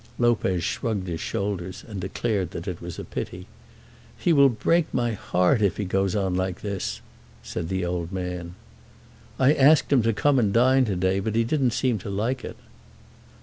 Lopez shrugged his shoulders, and declared that it was a pity. "He will break my heart if he goes on like this," said the old man. "I asked him to come and dine to day, but he didn't seem to like it."